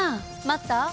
待った？